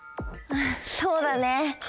そうだね。